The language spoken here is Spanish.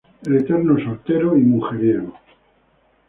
El eterno soltero y mujeriego.